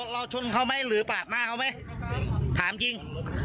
ชนเขาไหมหรือปาดหน้าเขาไหมถามจริง